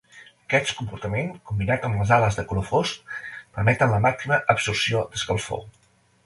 Aquest comportament, combinat amb les ales de color fosc, permeten la màxima absorció d'escalfor.